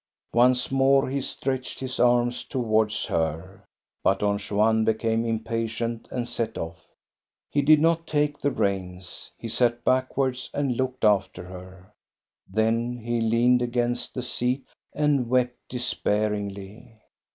Once more he stretched his arms towards her, but Don Juan became impatient and set off. He did not take the reins. He sat backwards and looked after her. Then he leaned against the seat and wept despairingly.